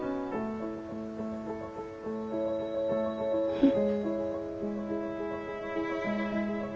うん。